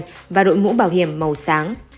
mặc áo đen và đội mũ bảo hiểm màu sáng